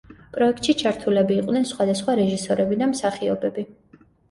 პროექტში ჩართულები იყვნენ სხვადასხვა რეჟისორები და მსახიობები.